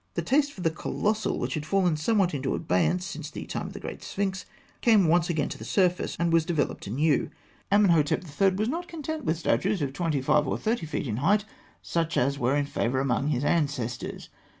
The taste for the colossal, which had fallen somewhat into abeyance since the time of the Great Sphinx, came once again to the surface, and was developed anew. Amenhotep III. was not content with statues of twenty five or thirty feet in height, such as were in favour among his ancestors.